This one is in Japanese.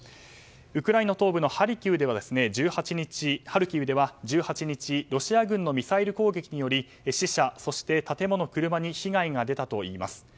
ウクライナ東部のハルキウでは１８日ロシア軍のミサイル攻撃により死者そして建物、車に被害が出たといいます。